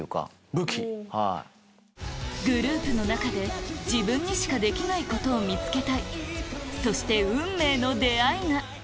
グループの中で自分にしかできないことを見つけたいそして運命の出会いが！